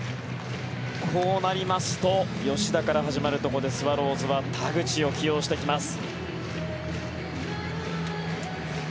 こうなりますと吉田から始まるところでスワローズは田口を起用してきます。